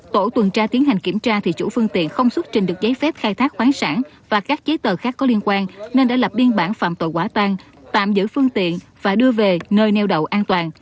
tổ tuần tra tiến hành kiểm tra thì chủ phương tiện không xuất trình được giấy phép khai thác khoáng sản và các giấy tờ khác có liên quan nên đã lập biên bản phạm tội quả tan tạm giữ phương tiện và đưa về nơi neo đậu an toàn